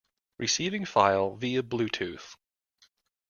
Receiving file via blue tooth.